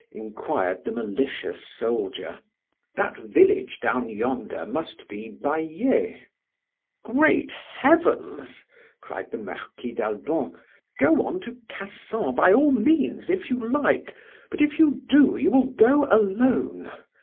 inquired the malicious soldier. "That village down yonder must be Baillet." "Great heavens!" cried the Marquis d'Albon. "Go on to Cassan by all means, if you like; but if you do, you will go alone.